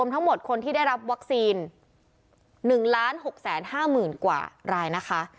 ทั้งหมดคนที่ได้รับวัคซีนหนึ่งล้านหกแสนห้าหมื่นกว่ารายนะคะ